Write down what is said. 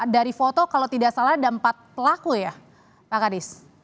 dari foto kalau tidak salah ada empat pelaku ya pak kadis